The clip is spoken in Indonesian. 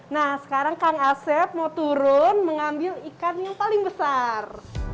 nah sekarang kang asep mau turun mengambil ikan yang paling besar